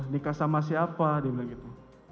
nikah sama siapa dia bilang gitu